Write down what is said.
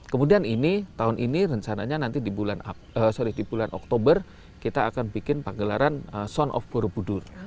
kemudian ini tahun ini rencananya nanti di bulan oktober kita akan bikin pagelaran sound of borobudur